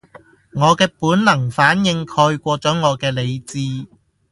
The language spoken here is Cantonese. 我嘅本能反應蓋過咗我嘅理智